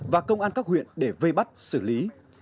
và công an các huyện để vây bắt xử lý